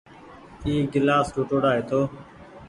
اي گلآس ٽوُٽڙآ هيتو۔